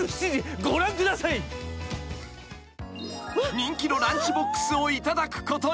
［人気のランチボックスをいただくことに］